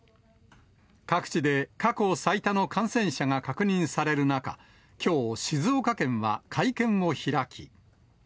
各地で過去最多の感染者が確認される中、きょう、静岡県は会見を開き。